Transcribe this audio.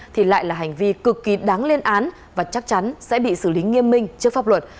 thì lại là hành vi cực kỳ đáng lên án và chắc chắn sẽ bị xử lý nghiêm minh trước pháp luật